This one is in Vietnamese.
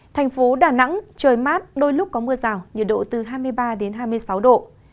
thành phố đà nẵng trời mát đôi lúc có mưa rào nhiệt độ từ hai mươi ba đến hai mươi sáu độ